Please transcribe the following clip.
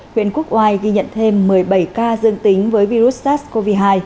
huyện quốc oai ghi nhận thêm một mươi bảy ca dương tính với virus sars cov hai